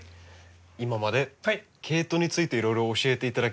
今までケイトウについていろいろ教えていただきました。